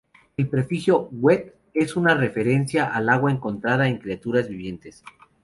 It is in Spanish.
El prefijo "wet" es una referencia al agua encontrada en criaturas vivientes.